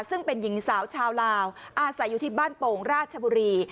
ซึ่งเป็นหญิงสาวชาวลาวอาศัยอยู่ที่บ้านโป่งราชบุรี